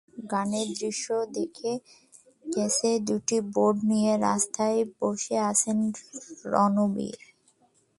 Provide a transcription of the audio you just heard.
গানের দৃশ্যে দেখা গেছে, দুটি বোর্ড নিয়ে রাস্তায় বসে আছেন রণবীর।